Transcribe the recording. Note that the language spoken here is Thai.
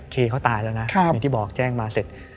เคเขาตายแล้วนะอย่างที่บอกแจ้งมาเสร็จ